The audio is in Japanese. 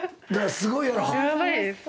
すごいやろ？